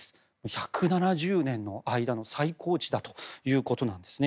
１７０年の間の最高値だということなんですね。